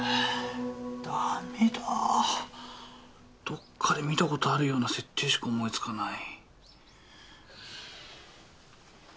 どっかで見たことあるような設定しか思い付かない。